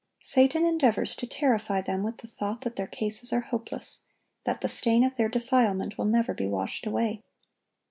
Satan endeavors to terrify them with the thought that their cases are hopeless, that the stain of their defilement will never be washed away.